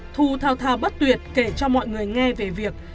thu thao thà bất tuyệt kể cho mọi người nghe về việc